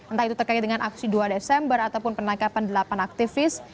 entah itu terkait dengan aksi dua desember ataupun penangkapan delapan aktivis